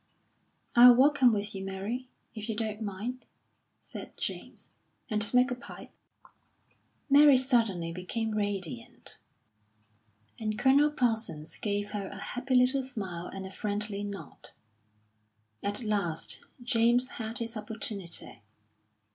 "I'll walk home with you, Mary, if you don't mind," said James, "and smoke a pipe." Mary suddenly became radiant, and Colonel Parsons gave her a happy little smile and a friendly nod.... At last James had his opportunity.